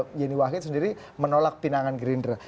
yeni wahid sendiri menolak pinangan gerindra